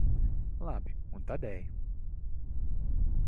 Labi, un tad ej.